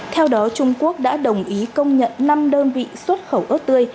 theo đó trung quốc đã đồng ý công nhận năm đơn vị xuất khẩu ớt tươi